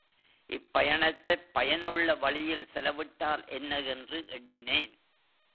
இப்பயணத்தைப் பயனுள்ள வழியில் செலவிட்டால் என்ன என்று எண்ணினேன்.